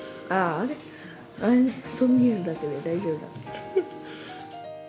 あれ、そう見えるだけで、大丈夫だった。